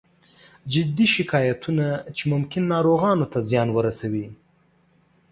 جدي شکایتونه چې ممکن ناروغانو ته زیان ورسوي